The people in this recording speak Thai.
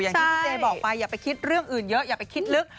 อย่างที่พี่เจบอกไปอย่าไปคิดเรื่องอื่นเยอะอย่าไปคิดลึก